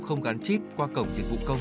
không gắn chip qua cổng dịch vụ công